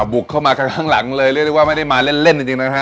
บุกเข้ามาข้างหลังเลยเรียกได้ว่าไม่ได้มาเล่นจริงนะฮะ